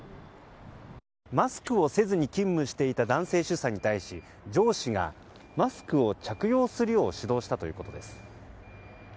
マスクをせずに勤務していた男性主査に対し上司が、マスクを着用するよう指導したということです。